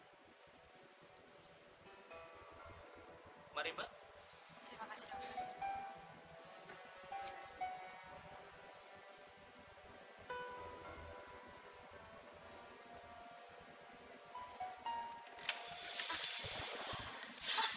hai marimba terima kasih